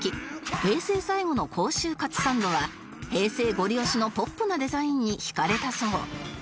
平成最後の甲州かつサンドは平成ごり推しの ＰＯＰ なデザインに惹かれたそう